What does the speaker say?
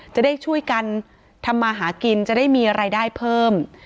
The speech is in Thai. จะได้ช่วยกันทำมาหากินจะได้มีรายได้เพิ่ม